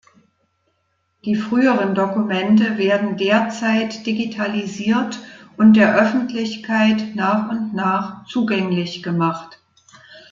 Die früheren Dokumente werden derzeit digitalisiert und der Öffentlichkeit nach und nach zugänglich gemacht.